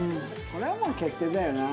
これはもう決定だよな。